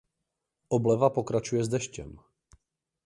Obleva pokračuje s deštěm.